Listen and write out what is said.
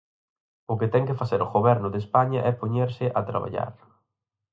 O que ten que facer o Goberno de España é poñerse a traballar.